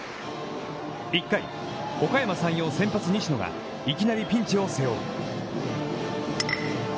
１回、おかやま山陽先発、西野がいきなりピンチを背負う。